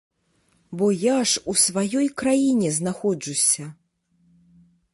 Бо я ж у сваёй краіне знаходжуся!